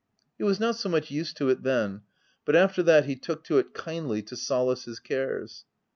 He was not so much used to it then, but after that, he took to it kindly to solace his cares.